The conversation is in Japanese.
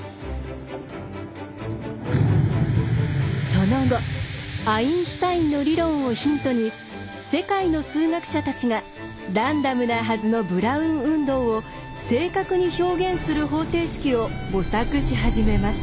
その後アインシュタインの理論をヒントに世界の数学者たちがランダムなはずのブラウン運動を正確に表現する方程式を模索し始めます。